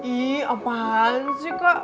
ih apaan sih kak